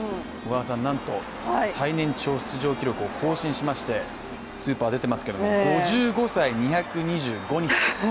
なんと、最年長出場記録を更新しましてスーパーが出ていますが、５５歳２２５日です。